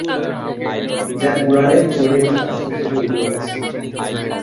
যা কুরআনে চোরের শাস্তি হিসেবে উল্লেখ আছে।